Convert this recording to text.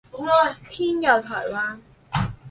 天佑台灣